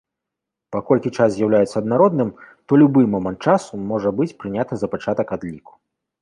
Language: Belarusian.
Паколькі час з'яўляецца аднародным, то любы момант часу можа быць прыняты за пачатак адліку.